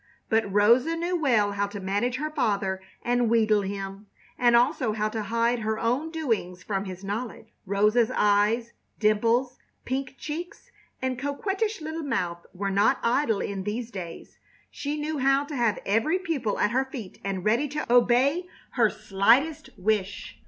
But Rosa knew well how to manage her father and wheedle him, and also how to hide her own doings from his knowledge. Rosa's eyes, dimples, pink cheeks, and coquettish little mouth were not idle in these days. She knew how to have every pupil at her feet and ready to obey her slightest wish.